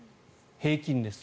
平均です。